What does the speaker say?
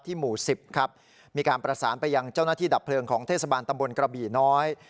หมู่๑๐ครับมีการประสานไปยังเจ้าหน้าที่ดับเพลิงของเทศบาลตำบลกระบี่น้อย